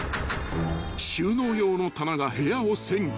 ［収納用の棚が部屋を占拠］